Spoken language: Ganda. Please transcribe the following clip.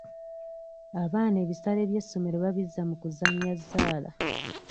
Abaana ebisale by'essomero babizza mu kuzannya zzaala.